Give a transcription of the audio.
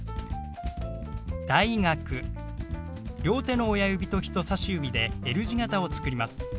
両手の親指と人さし指でＬ字型を作ります。